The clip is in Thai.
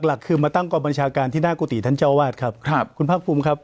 หลักคือมาตั้งกองบัญชาการที่หน้ากุฏิท่านเจ้าวาดครับครับคุณภาคภูมิครับ